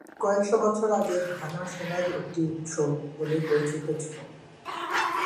কয়েকশ বছর আগে ঘানা সোনার একটি উৎস বলে পরিচিত ছিল।